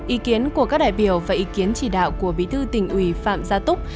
ý kiến của các đại biểu và ý kiến chỉ đạo của bí thư tỉnh ủy phạm gia túc